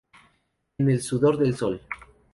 En El sudor del sol.